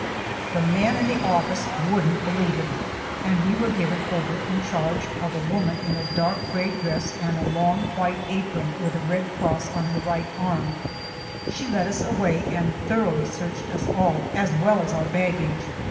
The man in the office wouldn't believe it, and we were given over in charge of a woman in a dark gray dress and long white apron, with a red cross on her right arm. She led us away and thoroughly searched us all, as well as our baggage.